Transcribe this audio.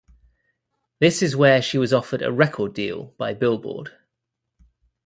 This is where she was offered a record deal by Billboard.